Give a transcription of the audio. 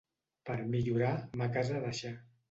Per millorar, ma casa deixar.